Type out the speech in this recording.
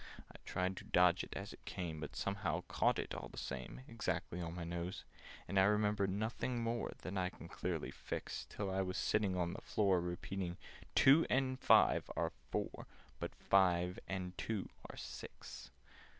I tried to dodge it as it came, But somehow caught it, all the same, Exactly on my nose. And I remember nothing more That I can clearly fix, Till I was sitting on the floor, Repeating "Two and five are four, But five and two are six."